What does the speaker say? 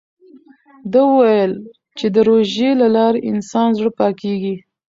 ده وویل چې د روژې له لارې د انسان زړه پاکېږي.